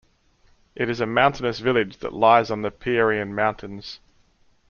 It is a mountainous village that lies on the Pierian Mountains.